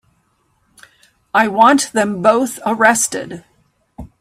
I want them both arrested.